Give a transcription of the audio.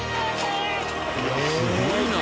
すごいな。